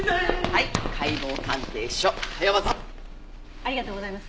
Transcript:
ありがとうございます。